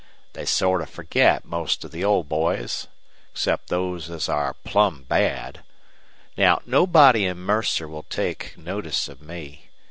They sort of forget most of the old boys, except those as are plumb bad. Now, nobody in Mercer will take notice of me.